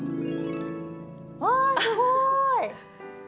あすごい！